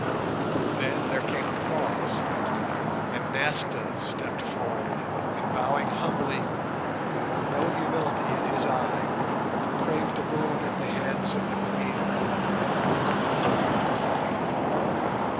Then there came a pause, and Nasta stepped forward and bowing humbly, though with no humility in his eye, craved a boon at the hands of the Queen Nyleptha.